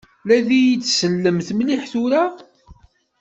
La yi-d-sellemt mliḥ tura?